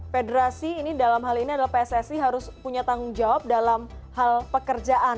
federasi ini dalam hal ini adalah pssi harus punya tanggung jawab dalam hal pekerjaan